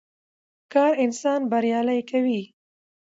کار انسان بريالی کوي.